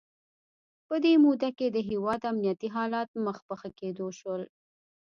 په دې موده کې د هیواد امنیتي حالات مخ په ښه کېدو شول.